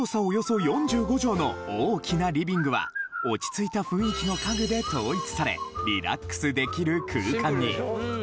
およそ４５畳の大きなリビングは、落ち着いた雰囲気の家具で統一され、リラックスできる空間に。